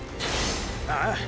ああ！